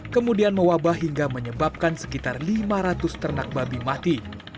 kemudian mewabah hingga menyebabkan sekitar lima ratus ternak babi mati